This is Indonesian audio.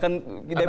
karena kan akademisi